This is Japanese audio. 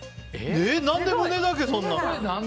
何で、胸だけそんな。